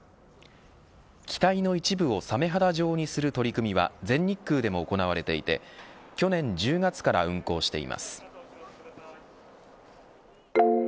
機体の一部をサメ肌状にする取り組みは全日空でも行われていて去年１０月から運航しています。